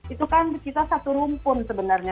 itu kan kita satu rumpun sebenarnya